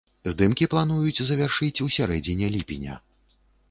Здымкі плануюць завяршыць у сярэдзіне ліпеня.